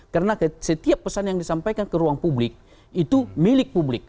karena setiap pesan yang disampaikan ke ruang publik itu milik publik